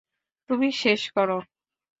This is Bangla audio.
তুমি শেষ কর।